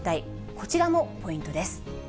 こちらのポイントです。